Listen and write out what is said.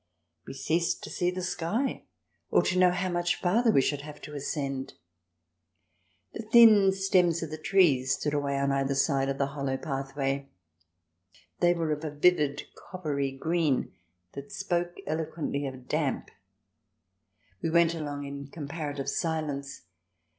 We ceased to see the sky or to know how much farther we should have to ascend. The thin stems of the trees stood away on either side of the hollow pathway : they were of a vivid coppery green that spoke eloquently of damp. We went along in comparative silence.